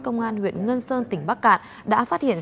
công an huyện ngân sơn tỉnh bắc cạn